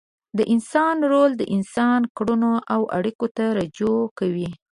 د انسان رول د انسان کړنو او اړیکو ته رجوع کوي.